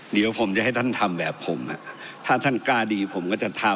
เดี๋ยวผมจะให้ท่านทำแบบผมถ้าท่านกล้าดีผมก็จะทำ